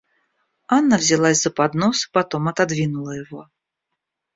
Анна взялась за поднос и потом отодвинула его.